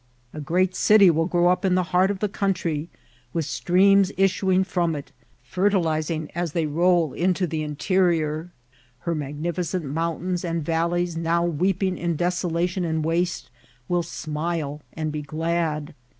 A great city will grow up in the heart ci the country, with streams issuing firom it, fertilizing as they roll into the interior ; her magnificent mountains, and valleys now weeping in desolation and waste, will smile and be glad.